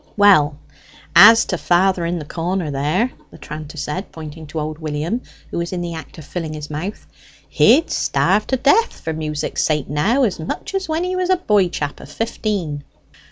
"Well, as to father in the corner there," the tranter said, pointing to old William, who was in the act of filling his mouth; "he'd starve to death for music's sake now, as much as when he was a boy chap of fifteen."